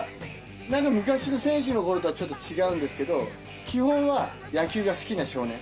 なんか昔の選手のころとはちょっと違うんですけど、基本は野球が好きな少年。